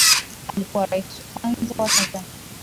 Alikuwa Rais wa kwanza wa Tanzania